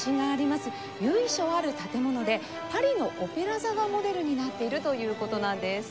由緒ある建物でパリのオペラ座がモデルになっているという事なんです。